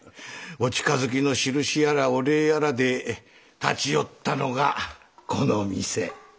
お近づきのしるしやらお礼やらで立ち寄ったのがこの店。